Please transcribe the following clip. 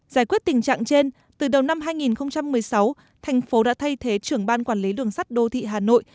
giải quyết tình trạng trên từ đầu năm hai nghìn một mươi sáu thành phố đã thay thế trưởng ban quản lý đường sắt đô thị hà nội